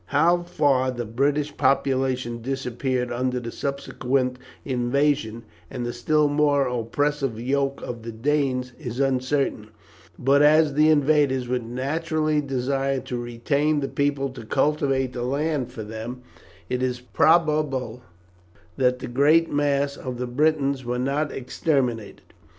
How far the British population disappeared under the subsequent invasion and the still more oppressive yoke of the Danes is uncertain; but as the invaders would naturally desire to retain the people to cultivate the land for them, it is probable that the great mass of the Britons were not exterminated.